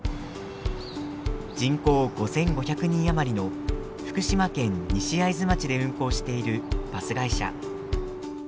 人口５，５００人余りの福島県西会津町で運行しているバス会社。